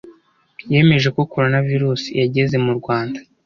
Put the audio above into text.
Yemeje ko coronavirusi yageze mu rwanda